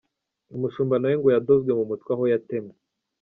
Umushumba nawe ngo yadozwe mu mutwe aho yatemwe.